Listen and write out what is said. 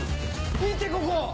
見てここ。